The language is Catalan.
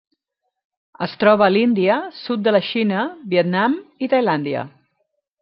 Es troba a l'Índia, sud de la Xina, Vietnam i Tailàndia.